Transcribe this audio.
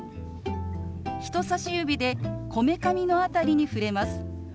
人さし指でこめかみの辺りに触れます。